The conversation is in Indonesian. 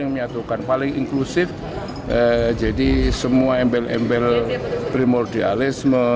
yang menyatukan paling inklusif jadi semua embel embel primordialisme